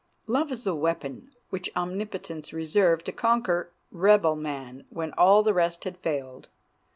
Love is the weapon which Omnipotence reserved to conquer rebel man when all the rest had failed.